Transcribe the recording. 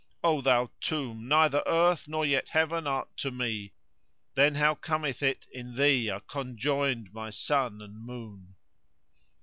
O thou tomb! neither earth nor yet heaven art to me * Then how cometh it in thee are conjoined my sun and moon?